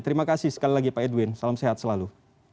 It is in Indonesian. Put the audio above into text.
terima kasih sekali lagi pak edwin salam sehat selalu